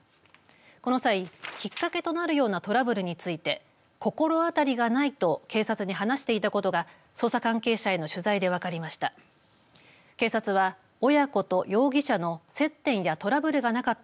この際、きっかけとなるようなトラブルについて心当たりがないと警察に話していたことが捜査関係者への取材で分かりました。